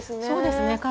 そうですね。